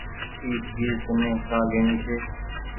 اي چيز تني ڪآ ليڻي ڇي۔